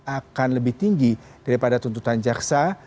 akan lebih tinggi daripada tuntutan jaksa